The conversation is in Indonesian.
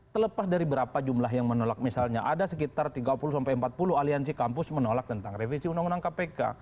terlepas dari berapa jumlah yang menolak misalnya ada sekitar tiga puluh sampai empat puluh aliansi kampus menolak tentang revisi undang undang kpk